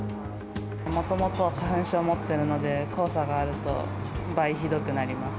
もともと花粉症持ってるので、黄砂があると、倍ひどくなります。